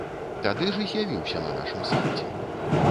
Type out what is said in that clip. Тады ж і з'явіўся на нашым сайце.